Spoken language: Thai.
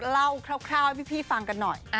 คร่าวให้พี่ฟังกันหน่อย